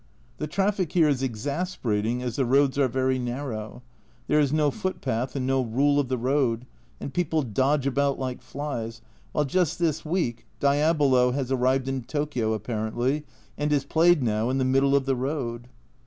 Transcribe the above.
The traffic here is exasperating, as the roads are very narrow ; there is no foot path and no rule of the road, and people dodge about like flies, while just this week Diabolo has arrived in Tokio apparently, and is played now in the middle of the road.